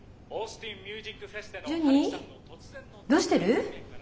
どうしてる？